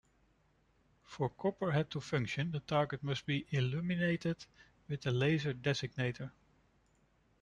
For Copperhead to function, the target must be illuminated with a laser designator.